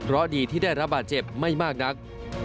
ร้อดีที่ได้ระบาดเจ็บไม่มากนัก